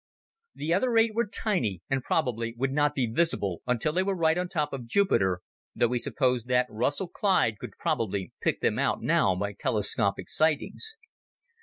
The other eight were tiny, and probably would not be visible until they were right on top of Jupiter, though he supposed that Russell Clyde could probably pick them out now by telescopic sightings.